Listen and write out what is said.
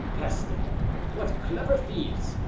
"Peste! what clever thieves!"